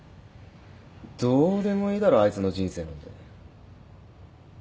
どうでもいいだろあいつの人生なんて。